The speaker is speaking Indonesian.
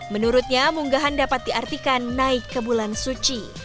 menurutnya munggahan dapat diartikan naik ke bulan suci